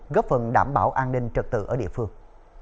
góp phần đảm bảo an ninh trật tự ở địa phương